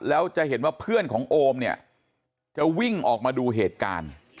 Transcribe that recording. แล้วจะเห็นว่าเพื่อนของโอมเนี่ยจะวิ่งออกมาดูเหตุการณ์